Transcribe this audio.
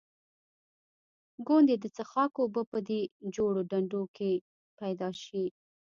ګوندې د څښاک اوبه په دې جوړو ډنډوکو کې پیدا شي.